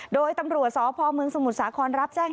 โดยตำรวจซพมสมุทรสาขรระบแจ้ง